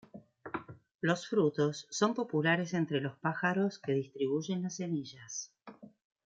Los frutos son populares entre los pájaros, que distribuyen las semillas.